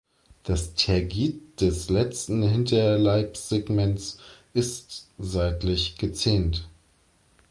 Das Tergit des letzten Hinterleibssegments ist seitlich gezähnt.